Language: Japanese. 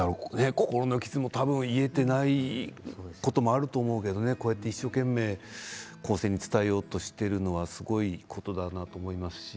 心の傷も癒えていないこともあると思うんだけど一生懸命後世に伝えようとしているのはすごいことだなと思いますし。